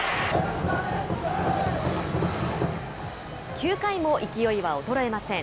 ９回も勢いは衰えません。